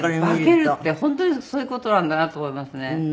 化けるって本当にそういう事なんだなと思いますね。